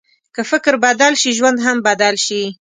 که فکر بدل شي، ژوند هم بدل شي.